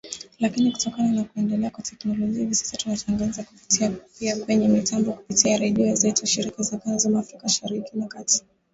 Lakini kutokana na kuendelea kwa teknolojia hivi sasa tunatangaza kupitia pia kwenye mitambo kupitia redio zetu shirika za kanda ya Afrika Mashariki na Kati